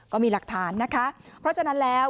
ก็มีหลักฐานนะคะเพราะฉะนั้นแล้ว